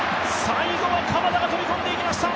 最後は鎌田が飛び込んでいきました！